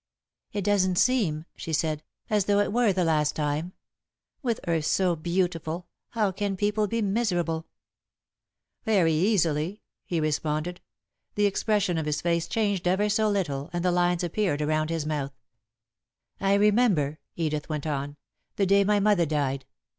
"It doesn't seem," she said, "as though it were the last time. With earth so beautiful, how can people be miserable?" [Sidenote: A Perfect Spring Day] "Very easily," he responded. The expression of his face changed ever so little, and lines appeared around his mouth. "I remember," Edith went on, "the day my mother died.